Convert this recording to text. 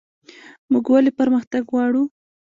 موږ ولې پرمختګ غواړو؟